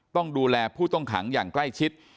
ต้องดูแลผู้ต้องขังอย่างใกล้ชิด